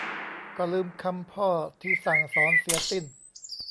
ก็ลืมคำพ่อที่สั่งสอนเสียสิ้น